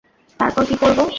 তারপর কী করবো?